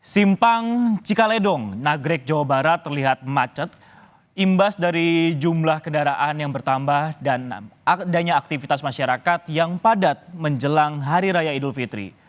simpang cikaledong nagrek jawa barat terlihat macet imbas dari jumlah kendaraan yang bertambah dan adanya aktivitas masyarakat yang padat menjelang hari raya idul fitri